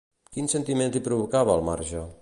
Quins sentiments li provocava el marge?